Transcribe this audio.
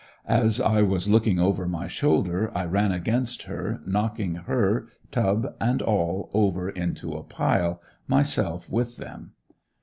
As I was looking over my shoulder I ran against her, knocking her, tub and all over in a pile, myself with them.